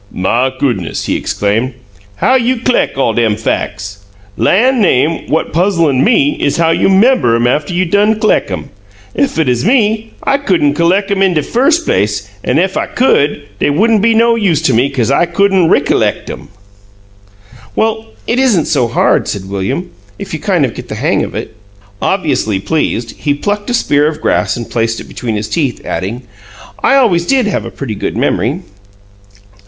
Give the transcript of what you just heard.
"My goo'ness!" he exclaimed. "How you c'leck all' dem fac's? Lan' name! What puzzlin' ME is how you 'member 'em after you done c'leck 'em. Ef it uz me I couldn't c'leck 'em in de firs' place, an' ef I could, dey wouldn' be no use to me, 'cause I couldn't rickalect 'em!" "Well, it isn't so hard," said William, "if you kind of get the hang of it." Obviously pleased, he plucked a spear of grass and placed it between his teeth, adding, "I always did have a pretty good memory."